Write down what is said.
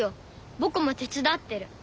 僕も手伝ってる。